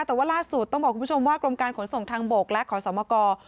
แต่ว่าล่าสุดต้องบอกคุณผู้ชมว่ากรมการขนส่งทางบกและขอสมกร